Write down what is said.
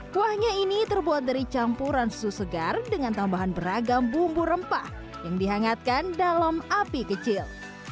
kuahnya ini terbuat dari campuran susu segar dengan tambahan beragam bumbu rempah yang dihangatkan dalam api kecil